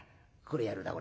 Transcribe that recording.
これやるだ。